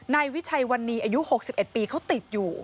นายวิชัยวันนี้อายุ๖๑ปีเขาติดอยู่